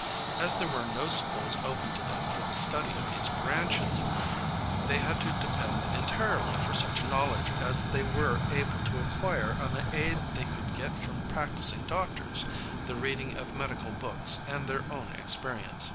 As there were no schools open to them for the study of these branches, they had to depend entirely for such knowledge as they were able to acquire on the aid they could get from practicing doctors, the reading of medical books and their own experience.